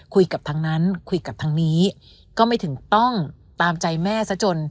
คุยกับทางนั้นคุยกับทางนี้ก็ไม่ถึงต้องตามใจแม่ซะจน